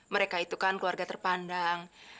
mereka itu kan keluarga terpandang